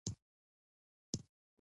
دا جنګ په تاریخ کې ثبت سوی دی.